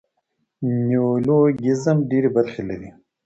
نیولوګیزم ډېري برخي لري.